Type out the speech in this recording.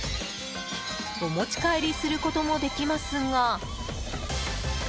お持ち帰りすることもできますが。